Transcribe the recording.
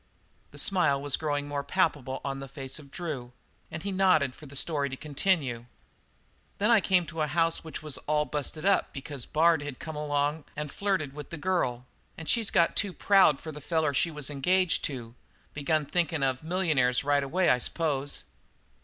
The smile was growing more palpable on the face of Drew, and he nodded for the story to continue. "Then I come to a house which was all busted up because Bard had come along and flirted with the girl, and she's got too proud for the feller she was engaged to begun thinkin' of millionaires right away, I s'pose.